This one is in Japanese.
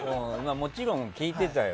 もちろん、聞いてたよ。